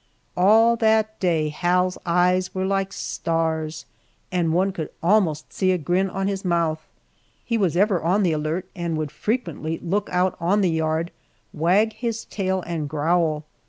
All that day Hal's eyes were like stars, and one could almost see a grin on his mouth. He was ever on the alert, and would frequently look out on the yard, wag his tail and growl.